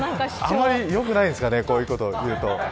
あんまりよくないんですかねこういうこと言うと。